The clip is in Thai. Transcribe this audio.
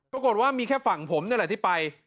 ปรากฏว่ามีแค่ฝั่งผมนี่แหละที่ไป